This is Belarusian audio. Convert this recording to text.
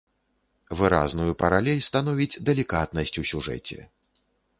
Выразную паралель становіць далікатнасць у сюжэце.